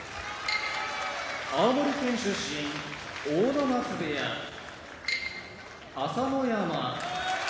青森県出身阿武松部屋朝乃山